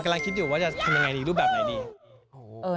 กำลังคิดอยู่ว่าจะทำยังไงดีรูปแบบไหนดี